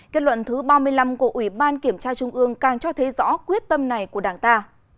kết luận thứ ba mươi năm của ủy ban kiểm tra trung ương càng cho thấy rõ quyết tâm này của đảng ta